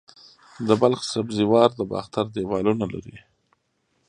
د بلخ سبزې وار د باختر دیوالونه لري